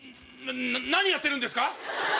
何やってるんですか？